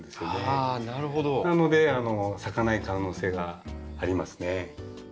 なので咲かない可能性がありますね。